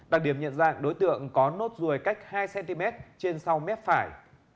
đặc điểm nhận dạng đối tượng có nốt ruồi cách hai cm giữa chiếc mép phải